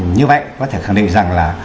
như vậy có thể khẳng định rằng là